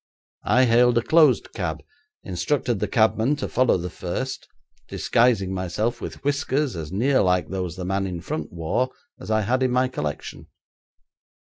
I hailed a closed cab, instructed the cabman to follow the first, disguising myself with whiskers as near like those the man in front wore as I had in my collection.'